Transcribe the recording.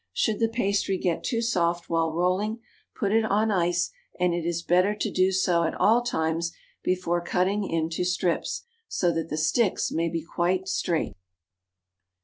Should the pastry get too soft while rolling, put it on ice, and it is better to do so at all times before cutting into strips, so that the "sticks" may be quite straight.